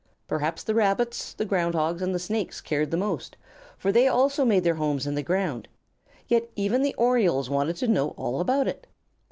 Perhaps the Rabbits, the Ground Hogs, and the Snakes cared the most, for they also made their homes in the ground; yet even the Orioles wanted to know all about it.